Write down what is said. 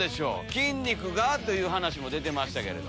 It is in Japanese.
筋肉が！という話も出てましたけど。